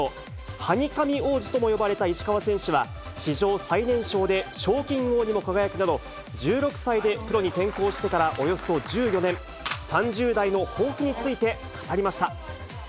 ハニカミ王子とも呼ばれた石川選手は、史上最年少で賞金王にも輝くなど、１６歳でプロに転向してからおよそ１４年、３０代の抱負について語りました。